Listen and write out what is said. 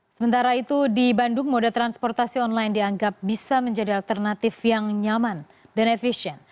sementara itu di bandung moda transportasi online dianggap bisa menjadi alternatif yang nyaman dan efisien